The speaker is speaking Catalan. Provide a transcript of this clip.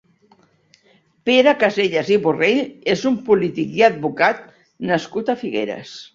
Pere Casellas i Borrell és un polític i advocat nascut a Figueres.